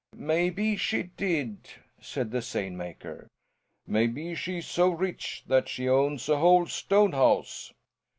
"Maybe she did," said the seine maker. "Maybe she's so rich that she owns a whole stone house?"